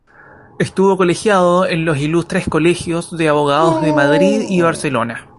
Estuvo colegiado en los Ilustres Colegios de Abogados de Madrid y Barcelona.